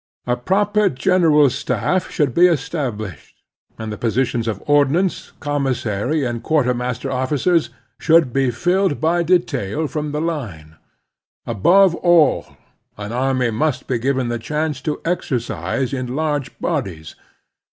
A proper general staff should be established,, and the posi tions of ordnance, commissary, and quartermaster officers should be filled by detail from the line. Above all, the army mtist be given the chance to exercise in large bodies.